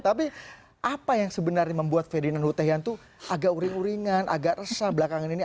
tapi apa yang sebenarnya membuat ferdinand hutahian itu agak uring uringan agak resah belakangan ini